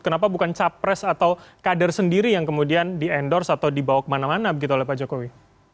kenapa bukan capres atau kader sendiri yang kemudian di endorse atau dibawa kemana mana begitu oleh pak jokowi